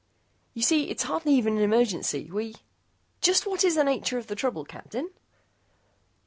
"You see, it's hardly even an emergency. We " "Just what is the nature of the trouble, Captain?"